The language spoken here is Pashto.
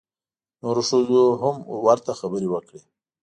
نورو ښځو هم ورته خبرې وکړې.